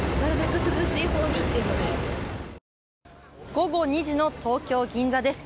午後２時の東京・銀座です。